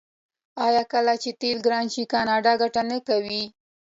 آیا کله چې تیل ګران شي کاناډا ګټه نه کوي؟